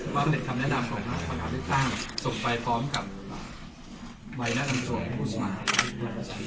ว่าเมธรรมและดำของเราจะเป็นศพที่ส้มไปพร้อมกับวัยแนนทั้งส่วนผู้สมัคร